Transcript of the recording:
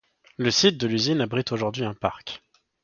Le site de l'usine abrite aujourd'hui un parc.